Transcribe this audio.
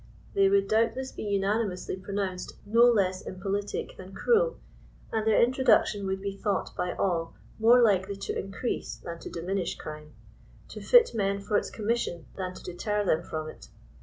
They would doubtless be unanimously pronounced no less impolitic than 36 eruel, and their introduction would be thought by all more likely to increase than to diminish crime ; to fit men for its commission than to deter them from it.